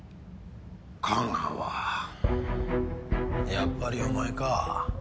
やっぱりお前か。